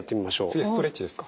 次はストレッチですか。